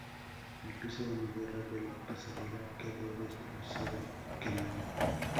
El piso de madera de la pasarela quedó destrozado, quemado.